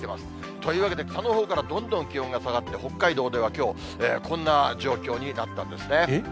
というわけで、北のほうからどんどん気温が下がって、北海道ではきょう、こんな状況になったんですね。